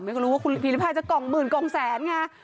รู้ว่าคุณพิริพายจะกล่องหมื่นกล่องแสนไง